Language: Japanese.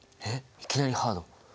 いきなりハード！